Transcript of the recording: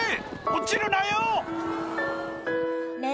落ちるなよ！